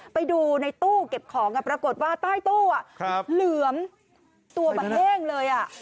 ไปดูในตู้เก็บของปรากฏว่าใต้ตู้เหลือมตัวแบบแห้งเลย